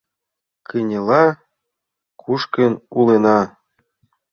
Кынела кушкын улына